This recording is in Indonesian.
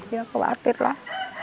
jangan khawatir lah